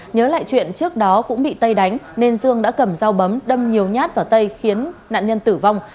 nhớ lại chuyện trước đó cũng bị tây đánh nên dương đã cầm dao bấm đâm nhiều nhát vào tay khiến nạn nhân tử vong